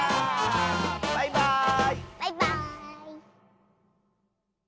バイバーイ！